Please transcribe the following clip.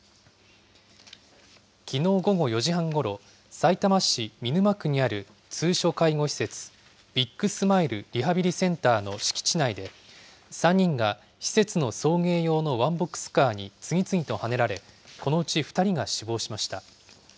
きのう午後４時半ごろ、さいたま市見沼区にある通所介護施設、ビッグスマイルリハビリセンターの敷地内で３人が施設の送迎用のワンボックスカーに次々とはねられ、このうち２人が死亡しました。